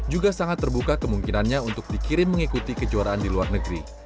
juga sangat terbuka kemungkinannya untuk dikirim mengikuti kejuaraan di luar negeri